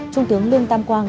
trung tướng lương tam quang